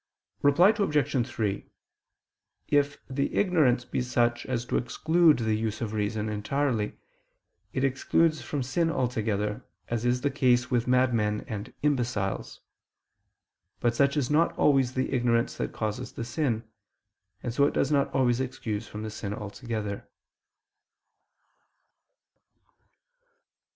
Reply Obj. 3: If the ignorance be such as to exclude the use of reason entirely, it excuses from sin altogether, as is the case with madmen and imbeciles: but such is not always the ignorance that causes the sin; and so it does not always excuse from sin altogether.